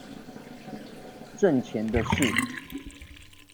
掙錢的事